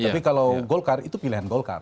tapi kalau golkar itu pilihan golkar